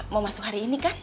mau masuk hari ini kan